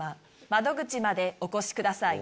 窓口までお越しください。